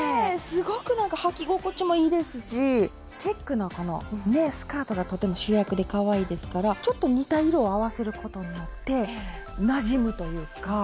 すごくなんかはき心地もいいですしチェックのこのスカートがとても主役でかわいいですからちょっと似た色を合わせることによってなじむというか。